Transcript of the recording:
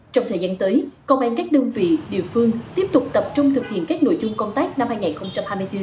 trong thời gian tới công an các đơn vị địa phương tiếp tục tập trung thực hiện các nội chung công tác năm hai nghìn hai mươi bốn